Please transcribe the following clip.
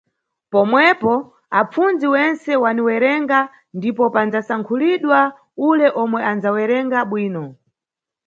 Pomwepo apfundzi wentse waniwerenga ndipo pandzasankhulidwa ule omwe andzawerenga bwino.